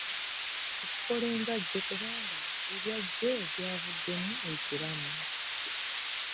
Tukikole nga jjo kubanga ebya jjo byavuddemu ekiramu.